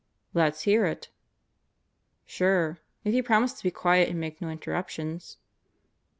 "Let's hear it." "Sure. If you promise to be quiet and make no interruptions."